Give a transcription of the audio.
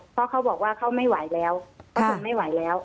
เพราะเขาบอกว่าเขาไม่ไหวแล้วเขาทนไม่ไหวแล้ว